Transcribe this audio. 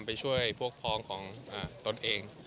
ไปช่วยพวกพ้องของตนเอง